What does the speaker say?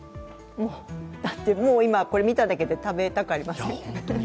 だってもう、今見ただけで食べたくありません？